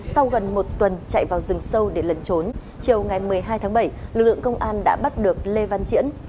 sau gần một tuần chạy vào rừng sâu để lẩn trốn chiều ngày một mươi hai tháng bảy lực lượng công an đã bắt được lê văn diễn